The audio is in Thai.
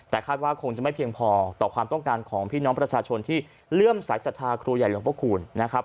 แต่คาดว่าคงจะไม่เพียงพอต่อความต้องการของพี่น้องประชาชนที่เลื่อมสายศรัทธาครูใหญ่หลวงพระคูณนะครับ